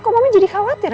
kok mama jadi khawatir